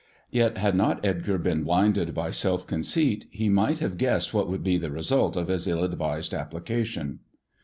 Yet had not Edgar been blinded by self conceit he might have guessed what would be the result of his ill advised application.